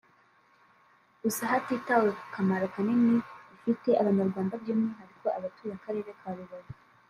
Gusa hatitawe ku kamaro kanini ifite abanyarwanda by’umwihariko abatuye akarere ka Rubavu